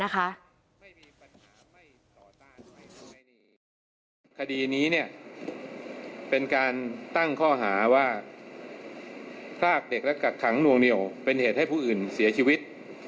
คลากเด็กและกักถังนวงเหนียวเป็นเหตุให้ผู้อื่นเสียชีวิต